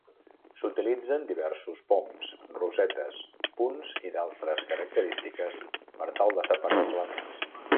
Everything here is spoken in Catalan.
S'utilitzen diversos poms, rosetes, punts i d'altres característiques per tal de separar els elements.